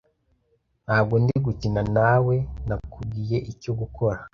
Ntabwo ndi gukina nawe nakubwiye icyo gukora